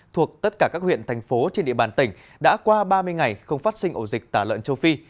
thuộc tất cả các huyện thành phố trên địa bàn tỉnh đã qua ba mươi ngày không phát sinh ổ dịch tả lợn châu phi